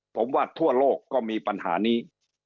ผมว่าทั่วโลกก็มีปัญหานี้